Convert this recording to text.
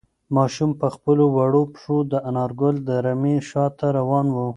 ماشوم په خپلو وړو پښو د انارګل د رمې شاته روان و.